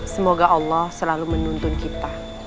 semoga allah selalu menuntun kita